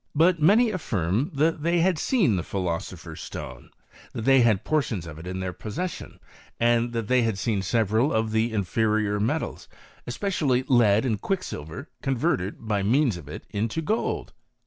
But many affirm that they 16 HISTORY OP CHEMISTRY. had seen tbe philosopher's stone ; that they had poir ' tions of it in their possession ; and that they had seen several of the inferior metals, especially lead and quicksilver, converted by means of it into gold.